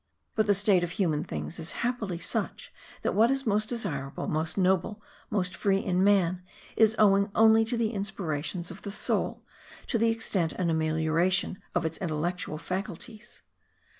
But the state of human things is happily such that what is most desirable, most noble, most free in man, is owing only to the inspirations of the soul, to the extent and amelioration of its intellectual faculties.